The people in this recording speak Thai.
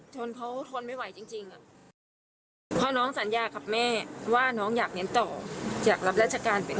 จนคอทนไม่ไหวจริงเขาเลยโทรบอกพี่